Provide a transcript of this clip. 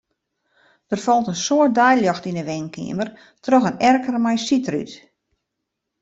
Der falt in soad deiljocht yn 'e wenkeamer troch in erker mei sydrút.